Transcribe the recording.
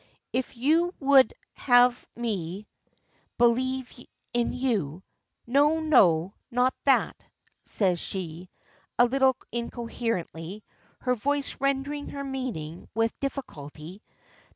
"If you would have me believe in you No, no, not that," says she, a little incoherently, her voice rendering her meaning with difficulty.